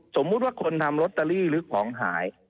สมมุติว่าคนทำลอตเตอรี่หรือของหาย